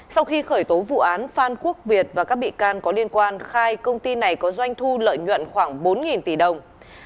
sau khi khởi tố vụ án phan quốc việt và các bị can có liên quan khai công ty này có doanh thu lợi nhuận khoảng bốn tỷ đồng